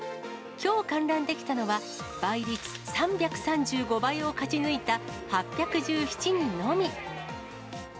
きょう観覧できたのは、倍率３３５倍を勝ち抜いた８１７人のみ。